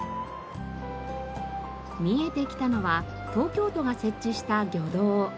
見えてきたのは東京都が設置した魚道。